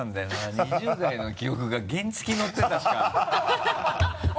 ２０代の記憶が原付乗ってたしかハハハ